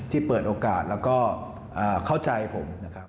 เปิดโอกาสแล้วก็เข้าใจผมนะครับ